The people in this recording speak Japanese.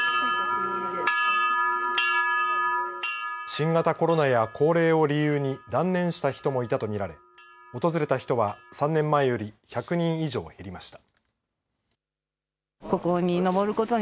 新型コロナや高齢を理由に断念した人もいたとみられ訪れた人は３年前より１００人以上減りました。